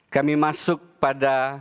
kami masuk pada